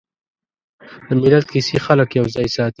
د ملت کیسې خلک یوځای ساتي.